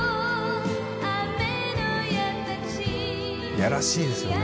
やらしいですよね